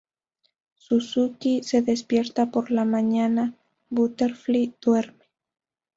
Suzuki se despierta por la mañana; Butterfly duerme.